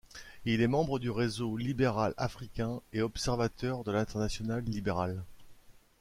Il est membre du Réseau Libéral Africain et observateur de l'Internationale Libérale.